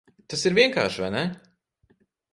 Tas ir vienkārši, vai ne?